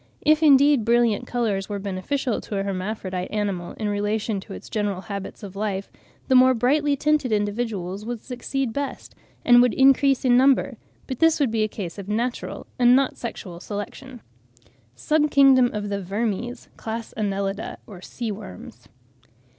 If, indeed, brilliant colours were beneficial to a hermaphrodite animal in relation to its general habits of life, the more brightly tinted individuals would succeed best and would increase in number; but this would be a case of natural and not of sexual selection. SUB KINGDOM OF THE VERMES: CLASS, ANNELIDA (OR SEA WORMS).